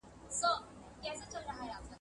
مال خپل وساته، همسايه غل مه بوله.